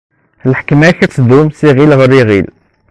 Lḥekma-k ad tdum si lǧil ɣer lǧil.